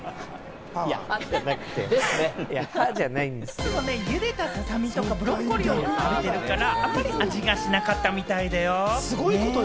いつも茹でたササミとかブロッコリーを食べてるから、あまり味がしなかったみたいだよ。